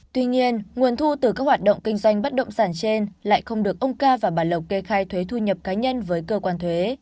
tuy nhiên nguồn thu từ các hoạt động kinh doanh bất động sản trên lại không được ông ca và bà lộc kê khai thuế thu nhập cá nhân với cơ quan thuế